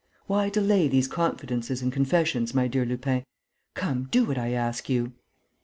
Why delay these confidences and confessions, my dear Lupin?... Come, do what I ask you!..."